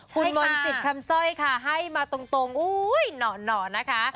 คุณมนต์สิทธิ์คำสร้อยค่ะให้มาตรงอุ๊ยหน่อนะคะ